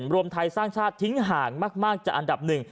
รวมไทยสร้างชาติทิ้งห่างมากจากอันดับหนึ่ง